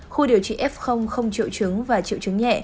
khu điều trị f không triệu chứng và triệu chứng nhẹ